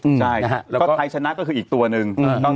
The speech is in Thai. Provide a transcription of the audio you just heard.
ใช่แล้วก็ไทยชนะก็คืออีกตัวหนึ่ง